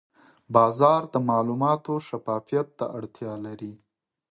بازار د معلوماتو شفافیت ته اړتیا لري.